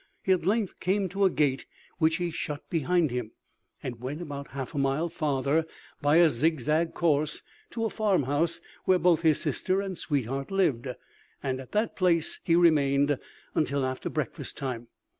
He at length came to a gate, which he shut behind him, and went about half a mile farther, by a zigzag course, to a farmhouse, where both his sister and sweetheart lived; and at that place he remained until after breakfast time.